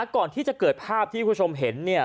ก่อนที่จะเกิดภาพที่คุณผู้ชมเห็นเนี่ย